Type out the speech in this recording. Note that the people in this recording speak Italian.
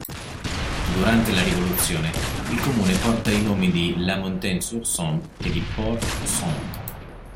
Durante la rivoluzione il comune porta i nomi di "La Montagne-sur-Somme" e di "Port-Somme.